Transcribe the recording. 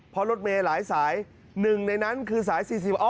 เพราะรถเมย์หลายสาย๑ในนั้นคือสาย๔๐อ้อ